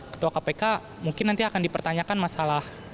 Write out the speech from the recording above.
ketua kpk mungkin nanti akan dipertanyakan masalah